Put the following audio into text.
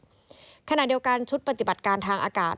ขณะเดียวกันชุดปฏิบัติการทางอากาศ